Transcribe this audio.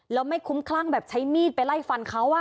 แล้วไม่คุ้มคลั่งแบบใช้มีดไปไล่ฟันเขา